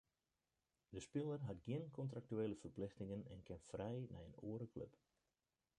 De spiler hat gjin kontraktuele ferplichtingen en kin frij nei in oare klup.